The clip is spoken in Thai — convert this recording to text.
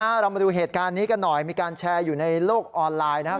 เรามาดูเหตุการณ์นี้กันหน่อยมีการแชร์อยู่ในโลกออนไลน์นะครับ